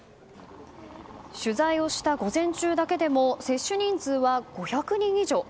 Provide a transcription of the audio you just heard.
取材をした午前中だけでも接種人数は、５００人以上。